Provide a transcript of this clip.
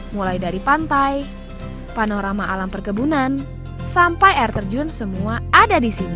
mulai dari pantai panorama alam perkebunan sampai air terjun semua ada di sini